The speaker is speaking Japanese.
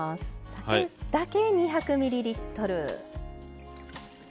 酒だけ２００ミリリットル。